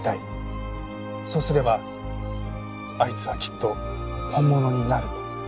そうすればあいつはきっと本物になると。